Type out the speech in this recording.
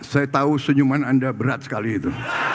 saya tahu senyuman anda berat sekali itu